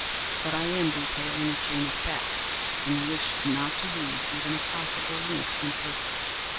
But I am detailing a chain of facts—and wish not to leave even a possible link imperfect.